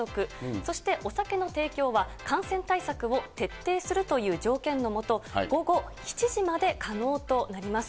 そして、お酒の提供は感染対策を徹底するという条件の下、午後７時まで可能となります。